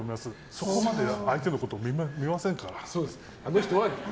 そこまで相手のことを見ませんから。